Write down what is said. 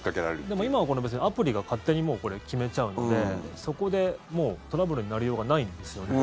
でも、今はアプリが勝手に決めちゃうのでそこでトラブルになりようがないんですよね。